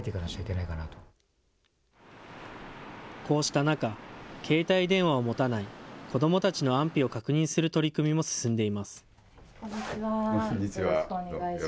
こうした中、携帯電話を持たない子どもたちの安否を確認する取り組みも進んでいます。